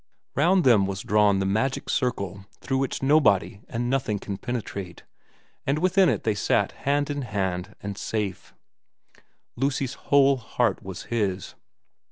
Round them was drawn that magic circle through which nobody and nothing can penetrate, and within it they sat hand in hand and safe. Lucy's whole heart was his.